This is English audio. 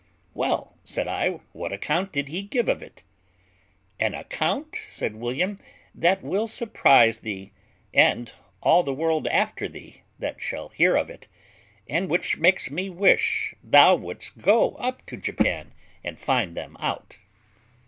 "Well," said I, "what account did he give of it?" "An account," said William, "that will surprise thee, and all the world after thee, that shall hear of it, and which makes me wish thou wouldst go up to Japan and find them out."